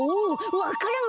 わか蘭が。